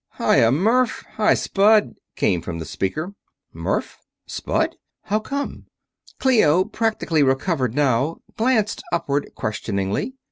"Hi ya, Murf! Hi, Spud!" came from the speaker. "Murf? Spud? How come?" Clio, practically recovered now, glanced upward questioningly.